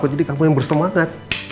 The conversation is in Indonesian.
kok jadi kamu yang bersemangat